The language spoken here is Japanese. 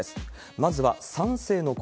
まずは賛成の声。